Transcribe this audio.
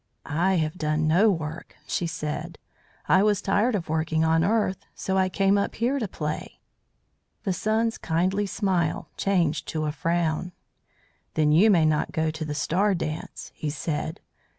"I have done no work," she said. "I was tired of working on the earth, so I came up here to play." The Sun's kindly smile changed to a frown, "Then you may not go to the star dance," he said.